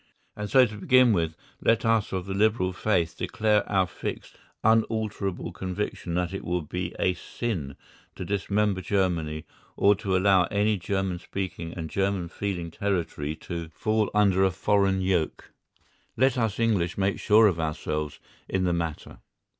And so to begin with, let us of the liberal faith declare our fixed, unalterable conviction that it will be a sin to dismember Germany or to allow any German speaking and German feeling territory to fall under a foreign yoke. Let us English make sure of ourselves in that matter.